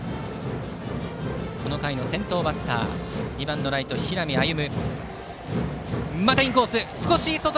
この回の先頭バッター２番のライト、平見歩舞。